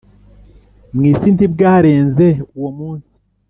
mu isi ntibwarenze uwo munsi.